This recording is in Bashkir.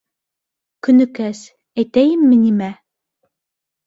Көнөкәс, әйтәйемме нимә...